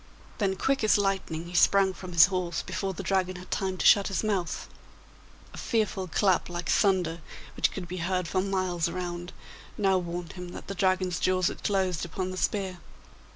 Then quick as lightning he sprang from his horse before the Dragon had time to shut his mouth. A fearful clap like thunder, which could be heard for miles around, now warned him that the Dragon's jaws had closed upon the spear.